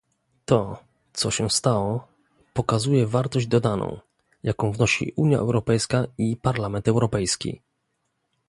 To, co się stało, pokazuje wartość dodaną, jaką wnosi Unia Europejska i Parlament Europejski